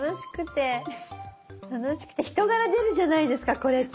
楽しくて人柄出るじゃないですかこれって。